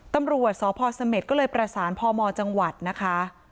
ตำรวจสพเสม็ดก็เลยประสานพมจังหวัดนะคะ